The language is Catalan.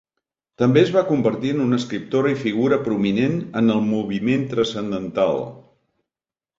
També es va convertir en una escriptora i figura prominent en el moviment transcendental.